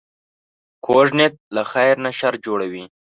کوږ نیت له خیر نه شر جوړوي